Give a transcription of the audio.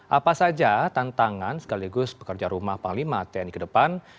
apa saja tantangan sekaligus pekerja rumah panglima tni ke depan